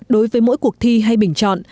đối với mỗi cuộc thi hay bình chọn